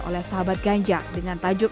oleh sahabat ganjar dengan tajuk